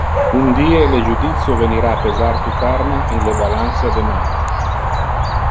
Un die le judicio venira pesar tu karma in le balancia de maat.